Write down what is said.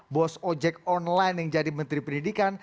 bos ojek online yang jadi menteri pendidikan